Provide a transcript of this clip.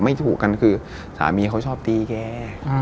ไม่ถูกกันเขาชอบตีแก